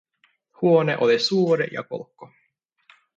Huone oli suuri ja kolkko.